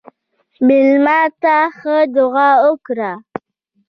مېلمه ته ښه دعا وکړه.